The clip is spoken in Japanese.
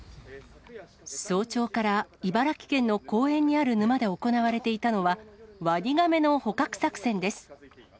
早朝から茨城県の公園にある沼で行われていたのは、ワニガメの捕獲作戦です。